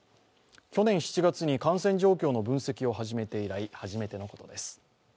去年７月に感染状況の分析を始めて以来、初めてのことです。